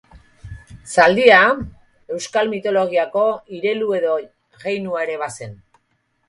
Zaldia euskal mitologiako irelu edo jeinua ere bazen.